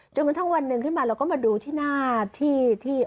จนกระทั่งวันหนึ่งขึ้นมาเราก็มาดูที่หน้าที่ที่